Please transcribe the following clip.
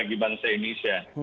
bagi bangsa indonesia